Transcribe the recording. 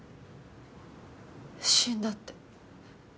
死んだって。